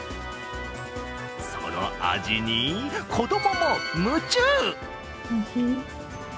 その味に子どもも夢中。